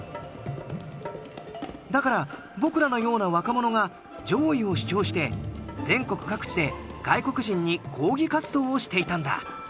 だから僕らのような若者が攘夷を主張して全国各地で外国人に抗議活動をしていたんだ。